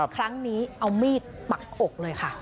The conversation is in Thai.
ครั้งนี้เอามีดปักอกเลยค่ะ